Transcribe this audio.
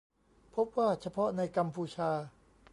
พบว่าเฉพาะในกัมพูชา